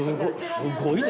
すごいね。